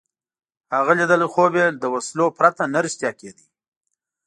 هغه لیدلی خوب یې له وسلو پرته نه رښتیا کېده.